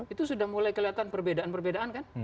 itu sudah mulai kelihatan perbedaan perbedaan kan